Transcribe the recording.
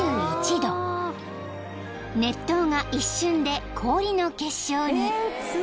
［熱湯が一瞬で氷の結晶に］